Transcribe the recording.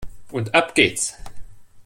Und ab geht's!